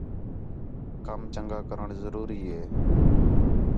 کم چَنڳا کرݨ ضروری ہے